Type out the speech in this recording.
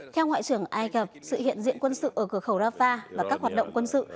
theo ngoại trưởng ai cập sự hiện diện quân sự ở cửa khẩu rafah và các hoạt động quân sự